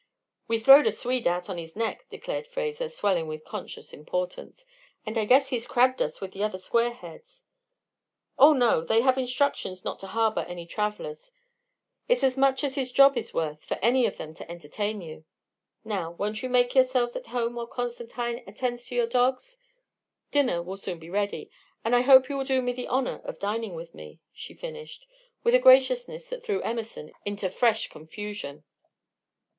"We throwed a Swede out on his neck," declared Fraser, swelling with conscious importance, "and I guess he's 'crabbed' us with the other squareheads." "Oh, no! They have instructions not to harbor any travellers. It's as much as his job is worth for any of them to entertain you. Now, won't you make yourselves at home while Constantine attends to your dogs? Dinner will soon be ready, and I hope you will do me the honor of dining with me," she finished, with a graciousness that threw Emerson into fresh confusion.